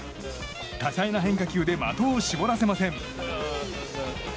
多彩な変化球で的を絞らせません。